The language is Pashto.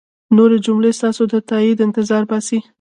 نورې جملې ستاسو د تایید انتظار باسي.